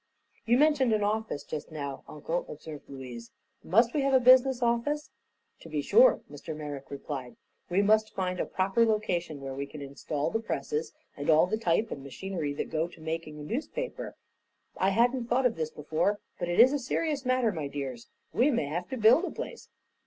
"You mentioned an office, just now, Uncle," observed Louise. "Must we have a business office?" "To be sure," Mr. Merrick replied. "We must find a proper location, where we can install the presses and all the type and machinery that go to making up a newspaper. I hadn't thought of this before, but it is a serious matter, my dears. We may have to build a place."